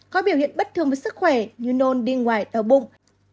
có biểu hiện bất thường với sức khỏe như nôn điên ngoài đau bụng